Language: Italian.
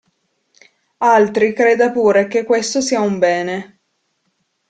Altri creda pure che questo sia un bene.